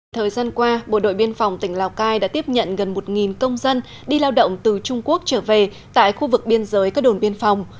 thời gian qua bộ đội biên phòng tỉnh lào cai đã tiếp nhận gần một công dân đi lao động từ trung quốc trở về tại khu vực biên giới các đồn biên phòng